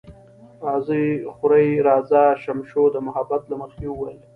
راځه خورې، راځه، شمشو د محبت له مخې وویل.